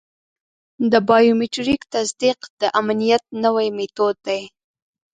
د بایومټریک تصدیق د امنیت نوی میتود دی.